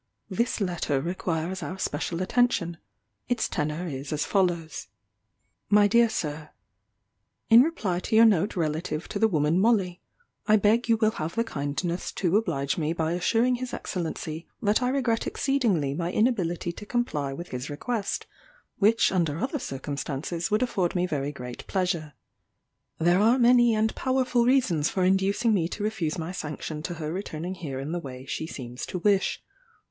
This letter requires our special attention. Its tenor is as follows: "My dear Sir, "In reply to your note relative to the woman Molly, I beg you will have the kindness to oblige me by assuring his Excellency that I regret exceedingly my inability to comply with his request, which under other circumstances would afford me very great pleasure. "There are many and powerful reasons for inducing me to refuse my sanction to her returning here in the way she seems to wish.